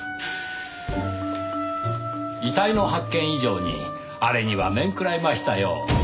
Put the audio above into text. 遺体の発見以上にあれには面食らいましたよ。